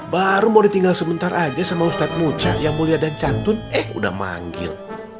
baru mau ditinggal sebentar aja sama ustadz muca yang mulia dan cantun eh udah manggil